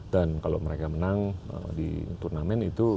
dan kalau mereka menang di turnamen itu